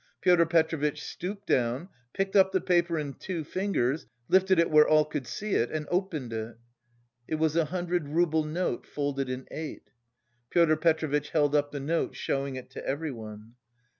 Pyotr Petrovitch stooped down, picked up the paper in two fingers, lifted it where all could see it and opened it. It was a hundred rouble note folded in eight. Pyotr Petrovitch held up the note showing it to everyone.